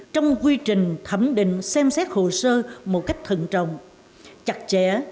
trong quy trình thẩm định xem xét hồ sơ một cách thận trọng chặt chẽ